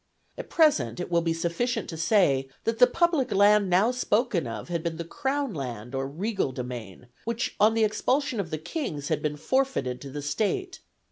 At present, it will be sufficient to say, that the public land now spoken of had been the crown land or regal domain, which on the expulsion of the kings had been forfeited to the state.